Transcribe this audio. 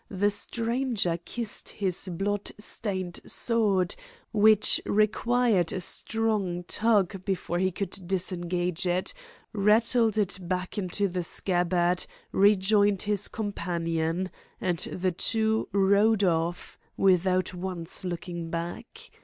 The stranger kissed his blood stained sword, which required a strong tug before he could disengage it, rattled it back into the scabbard, rejoined his companion, and the two rode off, without once looking back.